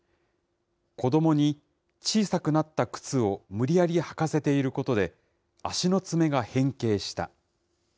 子どもに小さくなった靴を無理やり履かせていることで、足の爪が変形した。